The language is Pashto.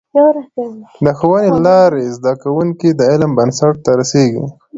د ښوونې له لارې، زده کوونکي د علم بنسټ ته رسېږي.